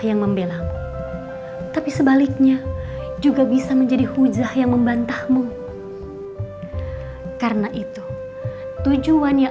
yang membelamu tapi sebaliknya juga bisa menjadi hujah yang membantahmu karena itu tujuannya